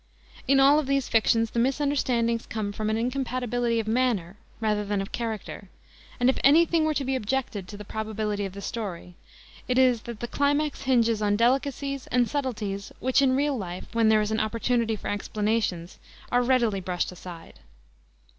In all of these fictions the misunderstandings come from an incompatibility of manner rather than of character, and, if any thing were to be objected to the probability of the story, it is that the climax hinges on delicacies and subtleties which, in real life, when there is opportunity for explanations, are readily brushed aside.